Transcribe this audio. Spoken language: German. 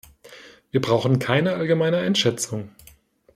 Wir brauchen keine allgemeine Einschätzung.